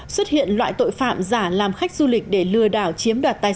xuất hiện loại tội phạm giả làm khách du lịch để lừa đảo chiếm đoạt thông tin